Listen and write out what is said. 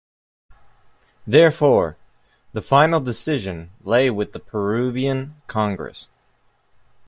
Therefore, the final decision lay with the Peruvian Congress.